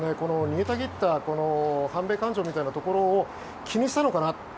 煮えたぎった反米感情みたいなところを気にしたのかなと。